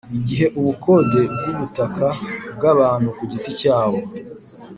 Igihe ubukode bw ubutaka bw abantu ku giti cyabo